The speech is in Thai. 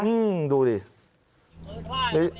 อืมดูดิ